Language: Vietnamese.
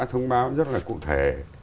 thông báo rất là cụ thể